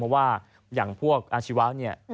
เพราะว่าอย่างพวกอาชีวะเนี่ย